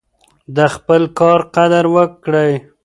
د خپل کار قدر وکړئ.